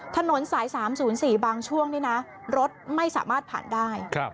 ถนนสาย๓๐๔บางช่วงนี้นะรถไม่สามารถผ่านได้